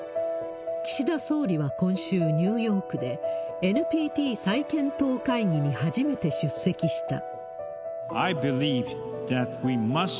岸田総理は今週、ニューヨークで、ＮＰＴ再検討会議に初めて出席した。